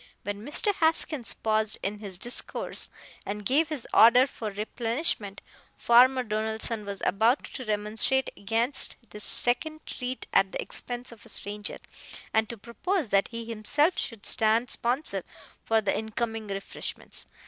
When Mr. Haskins paused in his discourse, and gave his order for replenishment, Farmer Donaldson was about to remonstrate against this second treat at the expense of a stranger, and to propose that he himself should stand sponsor for the incoming refreshments.